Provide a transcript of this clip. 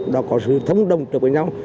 đó có sự thống đồng trợ với nhau